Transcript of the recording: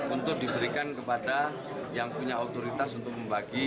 untuk diberikan kepada yang punya otoritas untuk membagi